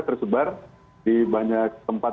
tersebar di banyak tempat